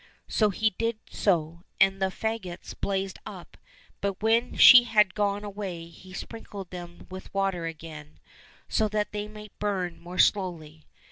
" So he did so, and the faggots blazed up, but when she had gone away he sprinkled them with water again, so that they might burn more slowly.